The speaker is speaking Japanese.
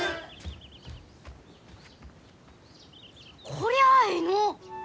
こりゃあえいの！